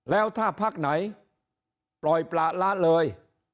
แล้วถ้าพักไหนปล่อยประละเลย